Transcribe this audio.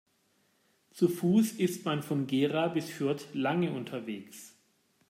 Zu Fuß ist man von Gera bis Fürth lange unterwegs